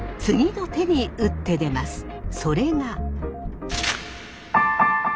次の手に打って出ます。